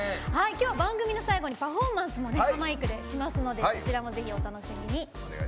今日、番組の最後にパフォーマンスもしますのでこちらもぜひお楽しみに。